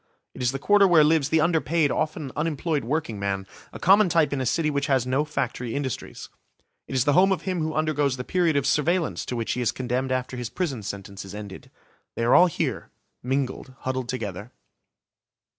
It is the Quarter where lives the underpaid, often unemployed workingman, a common type in a city which has no factory industries. It is the home of him who undergoes the period of surveillance to which he is condemned after his prison sentence is ended. They are all here, mingled, huddled together.